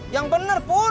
yang bener pur